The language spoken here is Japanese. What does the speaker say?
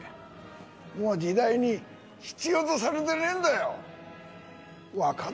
もう時代に必要とされてねぇんだよ。